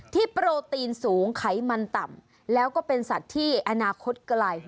โปรตีนสูงไขมันต่ำแล้วก็เป็นสัตว์ที่อนาคตไกล